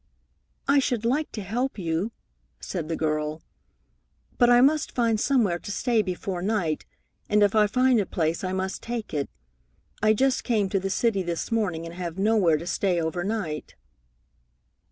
"I should like to help you," said the girl, "but I must find somewhere to stay before night, and if I find a place I must take it. I just came to the city this morning, and have nowhere to stay overnight."